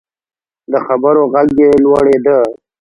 د خبرو غږ یې لوړیده.